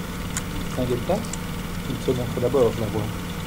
Saint-Gueltas ? Qu'il se montre d'abord ! LA VOIX.